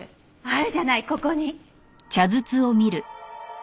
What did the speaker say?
あるじゃないここに。